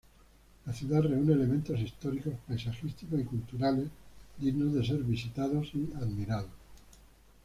La ciudad reúne elementos históricos, paisajísticos y culturales dignos de ser visitados y admirados.